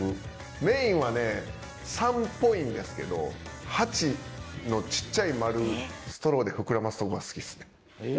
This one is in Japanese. メインはね、３っぽいんですけど、８のちっちゃい〇、ストローで膨らますところが好きっすね。